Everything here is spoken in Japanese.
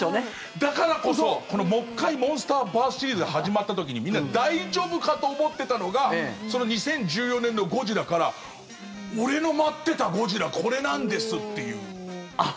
だからこそこのもう１回「モンスターバース」シリーズが始まった時にみんな大丈夫かと思ってたのがその２０１４年の「ＧＯＤＺＩＬＬＡゴジラ」から俺の待ってたゴジラこれなんですっていう。